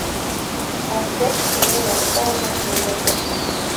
Асет һиңә ярты алмаһын ебәрҙе.